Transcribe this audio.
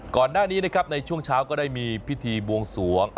ก่อนหน้านี้นะครับในช่วงเช้าก็ได้มีพิธีบวงสวง